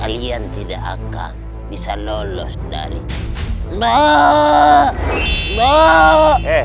kalian tidak akan bisa lolos dari